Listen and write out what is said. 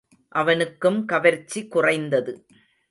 அவனுக்கும் கவர்ச்சி குறைந்தது.